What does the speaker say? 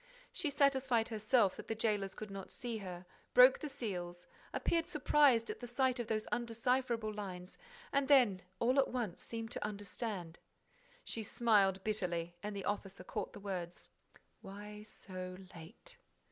She satisfied herself that the jailers could not see her, broke the seals, appeared surprised at the sight of those undecipherable lines and then, all at once, seemed to understand. She smiled bitterly and the officer caught the words: "Why so late?"